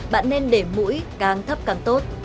bạn nên để mũi càng thấp càng tốt